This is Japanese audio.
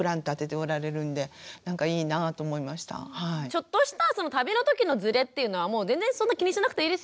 ちょっとした旅の時のずれっていうのはもう全然そんな気にしなくていいですよね。